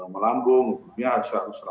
melambung mungkin harus